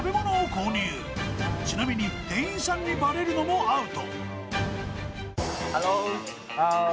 ［ちなみに店員さんにバレるのもアウト］